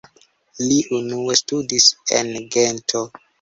Li unue studis en Gento.